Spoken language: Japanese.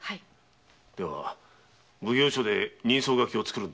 では奉行所で人相書きを作るんだな。